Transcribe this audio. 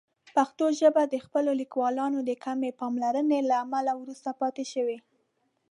پښتو ژبه د خپلو لیکوالانو د کمې پاملرنې له امله وروسته پاتې شوې.